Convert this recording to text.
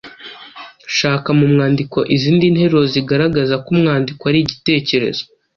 Shaka mu mwandiko izindi nteruro zigaragaza ko umwandiko ari igitekerezo.